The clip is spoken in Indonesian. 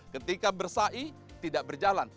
ketika bersai tidak berjalan